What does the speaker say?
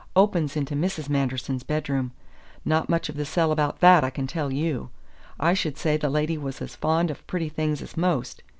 Opens into Mrs. Manderson's bedroom not much of the cell about that, I can tell you. I should say the lady was as fond of pretty things as most.